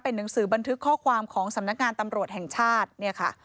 เป็นหนังสือบนถึงข้อความของสำนักงานตำรวจแห่งชาติ